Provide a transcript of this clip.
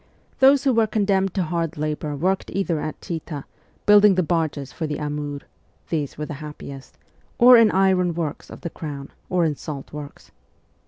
Those who were condemned to hard labour worked either at Chita, building the barges for the Amur these were the happiest or in iron works of the Crown, or in salt works.